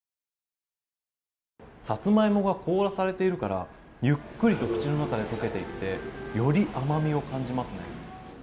サツマイモが凍らされているからゆっくりと口の中で解けていってより甘味を感じますね。